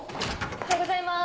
おはようございます。